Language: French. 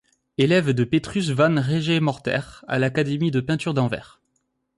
Élève de Petrus van Regemorter à l'Académie de peinture d'Anvers.